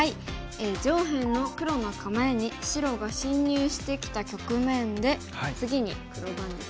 上辺の黒の構えに白が侵入してきた局面で次に黒番ですね。